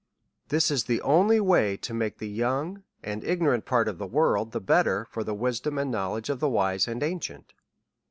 This is the only way to make the young and ignorant part of the world the better for the wisdom and know ledge of the wise and ancient.